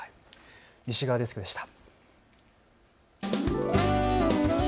西川デスクでした。